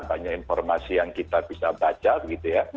banyak informasi yang kita bisa baca begitu ya